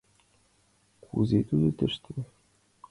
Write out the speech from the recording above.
— Кузе тудо тыште?»